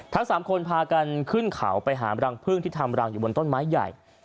ทั้ง๓คนพากันขึ้นเขาไปหารังพึ่งที่ทำรังอยู่บนต้นไม้ใหญ่